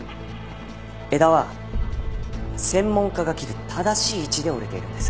枝は専門家が切る正しい位置で折れているんです。